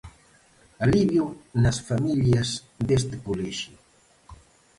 Alivio nas familias deste colexio.